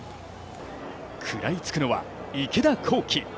食らいつくのは、池田向希。